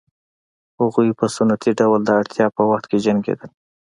هغوی په سنتي ډول د اړتیا په وخت کې جنګېدل